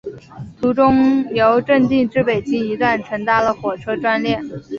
途中由正定至北京一段乘搭了火车专列。